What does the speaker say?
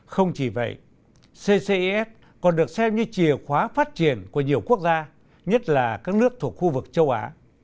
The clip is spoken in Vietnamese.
không chỉ vậy ccis còn được xem như chìa khóa phát triển của nhiều quốc gia nhất là các nước thuộc khu vực châu á